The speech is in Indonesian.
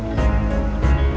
ya pak juna